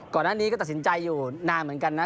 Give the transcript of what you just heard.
ก่อนหน้านี้ก็ตัดสินใจอยู่นานเหมือนกันนะ